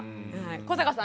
古坂さん